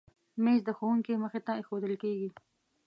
مېز د ښوونکي مخې ته ایښودل کېږي.